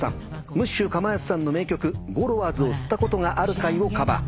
ムッシュかまやつさんの名曲『ゴロワーズを吸ったことがあるかい』をカバー。